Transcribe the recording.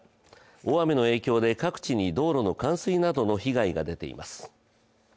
大雨の影響で各地に道路の冠水などの被害が出ています。